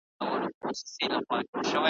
لا زموږ شپانه کېږدی په پیڅول ږدي.